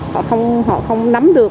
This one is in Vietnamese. họ không hiểu họ không nắm được